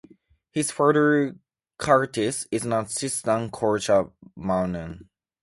His father Curtis is an assistant coach at Mt.